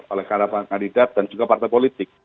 oleh kandida dan juga partai politik